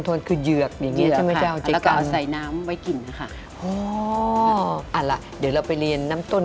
กรูผู้สืบสารล้านนารุ่นแรกแรกรุ่นเลยนะครับผม